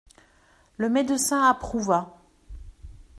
Le médecin approuva.